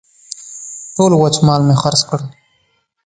ټول وچ مال مې خرڅ کړ.